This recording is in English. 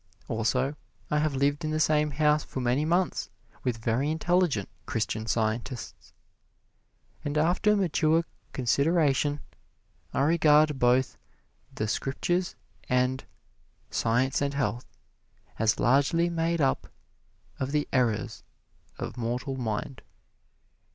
Also, I have lived in the same house for many months with very intelligent Christian Scientists. And after mature consideration I regard both the Scriptures and "Science and Health" as largely made up of the errors of mortal mind.